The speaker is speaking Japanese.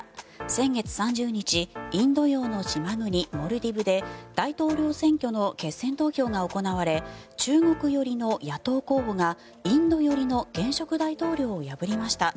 先月３０日インド洋の島国、モルディブで大統領選挙の決選投票が行われ中国寄りの野党候補がインド寄りの現職大統領を破りました。